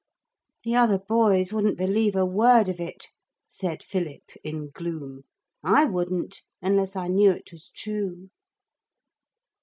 'The other boys wouldn't believe a word of it,' said Philip in gloom. 'I wouldn't unless I knew it was true.'